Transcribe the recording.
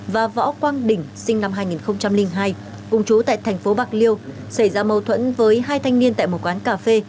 và võ quang đỉnh sinh năm hai nghìn hai cùng chú tại thành phố bạc liêu xảy ra mâu thuẫn với hai thanh niên tại một quán cà phê